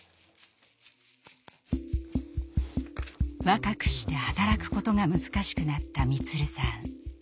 若くして働くことが難しくなった満さん。